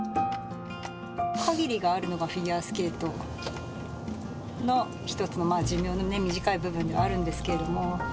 限りがあるのがフィギュアスケートの一つの寿命の短い部分ではあるんですけど。